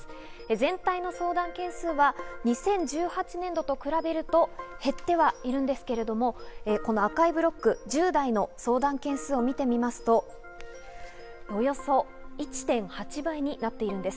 全体の相談件数は２０１８年度と比べると、減ってはいるんですけれども、この赤いブロック、１０代の相談件数を見てみますと、およそ１．８倍になっているんです。